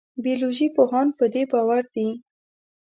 بیولوژي پوهان په دې باور دي.